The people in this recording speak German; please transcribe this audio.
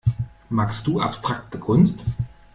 Magst du abstrakte Kunst?